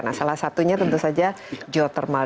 nah salah satunya tentu saja geothermal